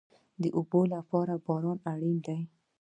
د اوبو لپاره باران اړین دی